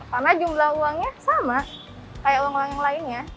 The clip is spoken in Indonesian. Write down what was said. karena jumlah uangnya sama kayak uang uang yang lainnya